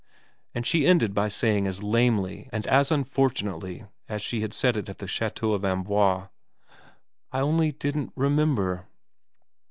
and she ended by saying as lamely and as unfortunately as she had said it in the chateau of Amboise ' I only didn't remember.'